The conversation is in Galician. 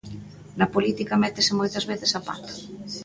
Na política métese moitas veces a pata.